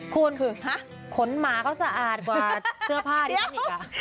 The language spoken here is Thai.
คุณขนหมาเขาสะอาดกว่าเสื้อผ้าเดี๋ยวกันอีกอ่ะ